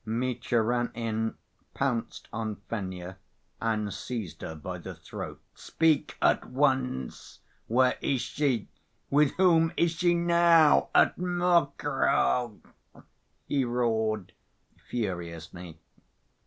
Mitya ran in, pounced on Fenya and seized her by the throat. "Speak at once! Where is she? With whom is she now, at Mokroe?" he roared furiously.